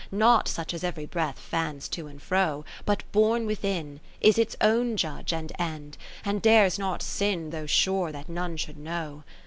Not such as every breath fans to and fro ; But born within, is its own judge and end. And dares not sin though sure that none should know.